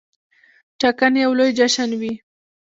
ټاکنې یو لوی جشن وي.